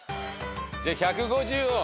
じゃ１５０を！